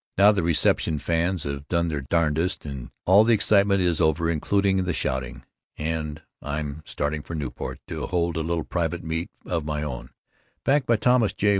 Now the reception fans have done their darndest and all the excitement is over including the shouting and I'm starting for Newport to hold a little private meet of my own, backed by Thomas J.